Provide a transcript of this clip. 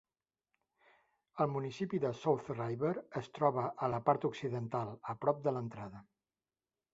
El municipi de South River es troba a la part occidental, a prop de l'entrada.